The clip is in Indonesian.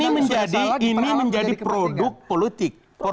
ini menjadi produk politik